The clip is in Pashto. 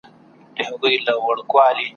د اورنګ شراب په ورکي `